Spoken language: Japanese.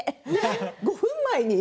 ５分前に。